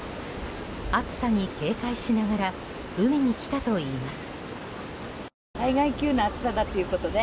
暑さに警戒しながら海に来たといいます。